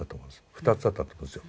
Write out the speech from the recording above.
２つあったと思うんですよ。